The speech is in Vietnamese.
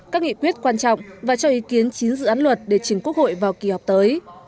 các nghị quyết quan trọng và cho ý kiến chín dự án luật để chỉnh quốc hội vào kỳ họp tới